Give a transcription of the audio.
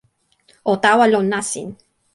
o tawa lon nasin.